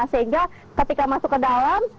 sehingga ketika masuk ke dalam bisa lancar